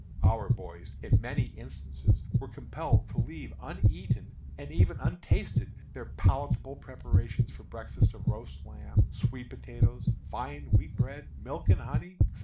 Our boys, in many instances, were compelled to leave uneaten and even untasted their palatable preparations for breakfast of roast lamb, sweet potatoes, fine wheat bread, milk and honey, &c.